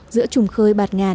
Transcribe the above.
giữa trùng khơi bạt ngàn